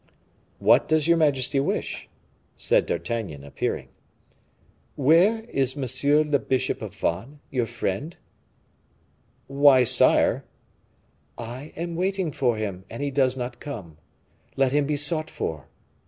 "What does your majesty wish?" said D'Artagnan, appearing. "Where is monsieur the bishop of Vannes, your friend?" "Why, sire " "I am waiting for him, and he does not come. Let him be sought for."